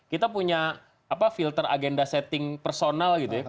kita punya filter agenda setting personal gitu ya